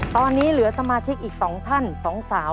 ตอนนี้เหลือสมาชิกอีก๒ท่าน๒สาว